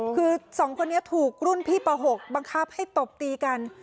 คือ๒คนนี้ถูกรุ่นพี่ป๖บังคับให้ตบตีกัน